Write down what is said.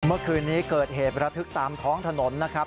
เมื่อคืนนี้เกิดเหตุระทึกตามท้องถนนนะครับ